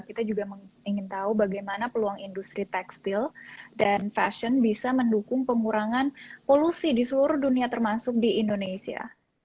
kita juga ingin tahu bagaimana peluang industri tekstil dan fashion bisa mendukung pengurangan polusi di seluruh dunia termasuk di indonesia